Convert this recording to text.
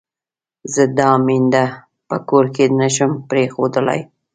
زه دا مينده په کور کې نه شم پرېښودلای.